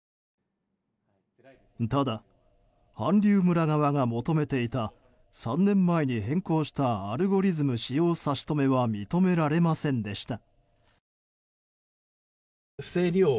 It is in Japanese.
ただ、韓流村側が求めていた３年前に変更したアルゴリズム使用差し止めは認められませんでした。